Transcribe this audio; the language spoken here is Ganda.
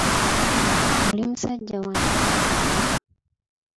Oli musajja wa njawulo nnyo.